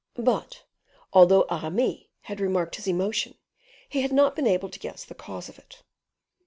But, although Aramis had remarked his emotion, he had not been able to guess the cause of it.